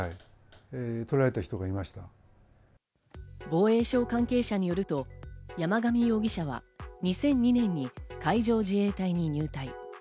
防衛省関係者によると、山上容疑者は２００２年に海上自衛隊に入隊。